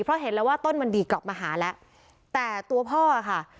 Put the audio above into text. เพราะเห็นแล้วว่าต้นมันดีกลับมาหาแล้วแต่ตัวพ่อค่ะ